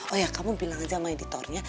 oh ya kamu bilang aja sama editornya